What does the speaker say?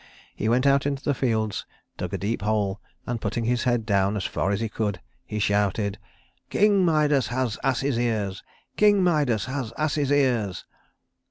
He went out into the fields, dug a deep hole, and putting his head down as far as he could he shouted: "King Midas has ass's ears, King Midas has ass's ears."